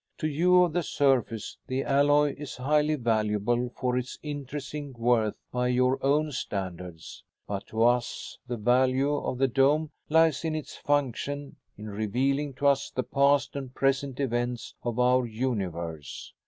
To you of the surface the alloy is highly valuable for its intrinsic worth by your own standards, but to us the value of the dome lies in its function in revealing to us the past and present events of our universe.